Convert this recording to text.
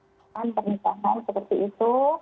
mau adekan pernikahan seperti itu